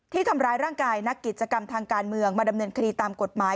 ทำร้ายร่างกายนักกิจกรรมทางการเมืองมาดำเนินคดีตามกฎหมาย